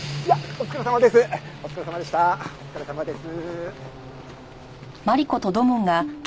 お疲れさまです。